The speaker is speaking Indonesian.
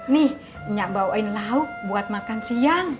nih nggak bawain lauk buat makan siang